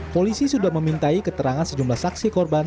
polisi sudah memintai keterangan sejumlah saksi korban